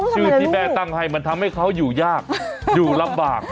ชื่อที่แม่ตั้งให้มันทำให้เขาอยู่ยากอยู่ลำบาก